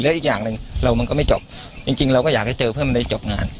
อีกอย่างหนึ่งเรามันก็ไม่จบจริงเราก็อยากให้เจอเพื่อมันได้จบงาน